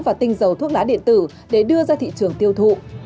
và tinh dầu thuốc lá điện tử để đưa ra thị trường tiêu thụ